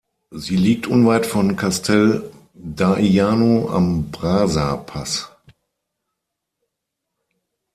Sie liegt unweit von Castel d’Aiano am Brasa-Pass.